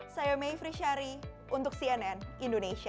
saya may frishari untuk cnn indonesia